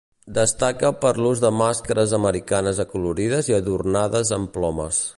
Destaca per l'ús de màscares americanes acolorides i adornades amb plomes.